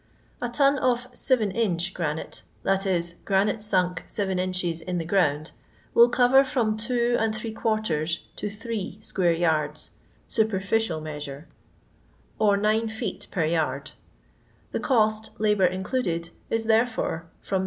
A ton of <' seven inch granite, that is, granite sunk seven inches in the ground, will cover from two and three quarters to three square yards, superficial measure, or nine LONDON LABOUR AND THB LONDON POOR. 183 feet per jard. The cost, labour included, is, therefore, from 9«.